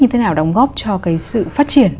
như thế nào đóng góp cho sự phát triển